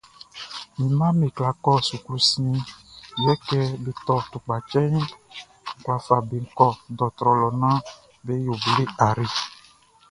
Mi mmaʼm be kwla kɔ suklu siɛnʼn, yɛ kɛ be tɔ tukpacɛʼn, n kwla fa be kɔ dɔɔtrɔ lɔ naan be yo be ayre.